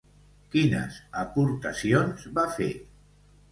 Quines aportacions va fer?